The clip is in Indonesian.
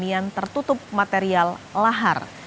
pertanian tertutup material lahar